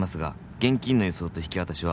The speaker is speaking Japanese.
「現金の輸送と引き渡しは」